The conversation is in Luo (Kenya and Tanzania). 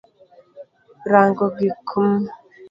Rango gik m